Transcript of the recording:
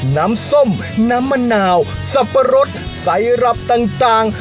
น้ำส้มน้ำมะนาวสับปะรดไซรับต่าง